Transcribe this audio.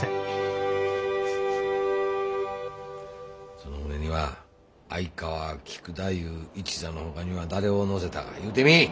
その船には相川菊太夫一座のほかには誰を乗せたか言うてみい！